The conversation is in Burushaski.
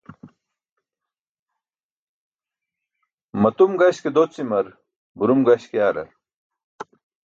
Matum gaśke docimar burum gaśk yaarar.